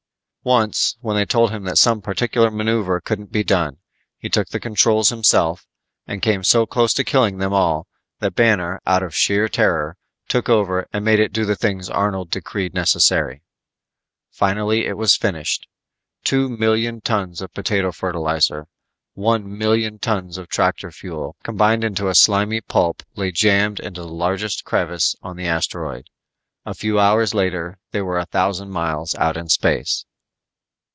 Once, when they told him that some particular maneuver couldn't be done, he took the controls himself, and came so close to killing them all that Banner, out of sheer terror, took over and made it do the things Arnold decreed necessary. Finally it was finished. Two million tons of potato fertilizer, one million tons of tractor fuel combined into a slimy pulp lay jammed into the largest crevice on the asteroid. A few hours later they were a thousand miles out in space.